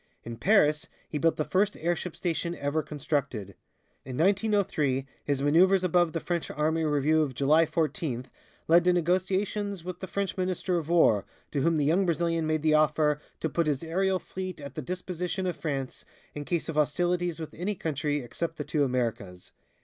In Paris he built the first airship station ever constructed. In 1903, his maneuvers above the French army review of July fourteenth led to negotiations with the French Minister of War, to whom the young Brazilian made the offer "to put his aerial fleet at the disposition of France in case of hostilities with any country except the two Americas."